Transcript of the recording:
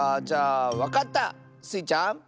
じゃあわかった！スイちゃん。